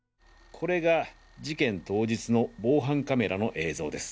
これが事件当日の防犯カメラの映像です。